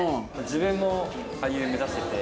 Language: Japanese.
自分も俳優目指してて。